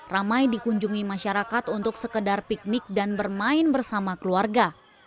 ramai dikunjungi masyarakat untuk sekedar piknik dan bermain bersama keluarga